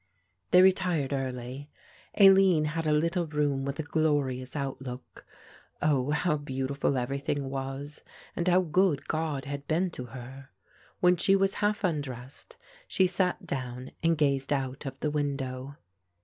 They retired early. Aline had a little room with a glorious outlook. Oh, how beautiful everything was and how good God had been to her. When she was half undressed she sat down and gazed out of the window.